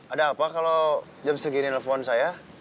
ada apa kalau jam segini nelfon saya